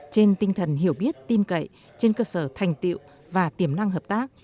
trên tinh thần hiểu biết tin cậy trên cơ sở thành tiệu và tiềm năng hợp tác